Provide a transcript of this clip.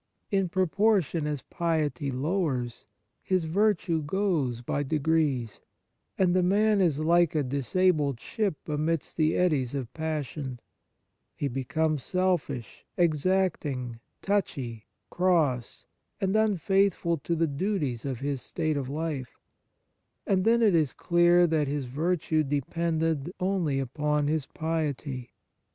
In proportion as piety lowers, his virtue goes by degrees, and the man is like a dis abled ship amidst the eddies of pas sion ; he becomes selfish, exacting, touchy, cross, and unfaithful to the duties of his state of life ; and then it is clear that his virtue depended only upon his piety.